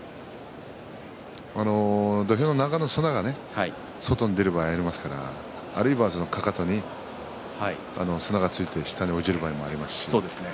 土俵の中の砂が外に出る場合がありますからあるいは、かかとに砂がついて下に落ちる場合もありますし。